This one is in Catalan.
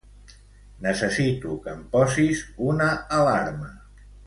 Necessito que em posis una alarma.